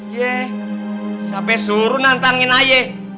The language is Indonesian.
yee sampe suruh nantangin aja